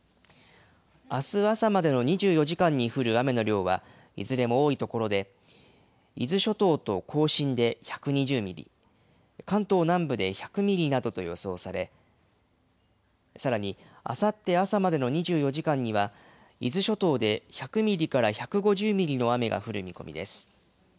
あす朝までの２４時間に降る雨の量はいずれも多い所で、伊豆諸島と甲信で１２０ミリ、関東南部で１００ミリなどと予想され、さらにあさって朝までの２４時間には、伊豆諸島で１００ミリから１５０ミリの雨が降る見込みです。